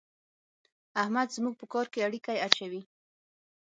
احمد زموږ په کار کې اړېکی اچوي.